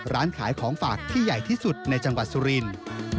ร้านขายของฝากที่ใหญ่ที่สุดในจังหวัดสุรินทร์